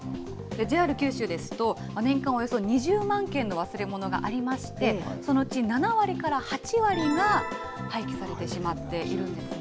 ＪＲ九州ですと、年間およそ２０万件の忘れ物がありまして、そのうち７割から８割が、廃棄されてしまっているんですね。